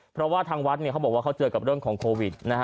เพราะว่าทางวัดเขาบอกว่าเขาเจอกับเรื่องของโควิดนะฮะ